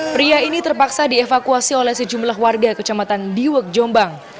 pria ini terpaksa dievakuasi oleh sejumlah warga kecamatan diwek jombang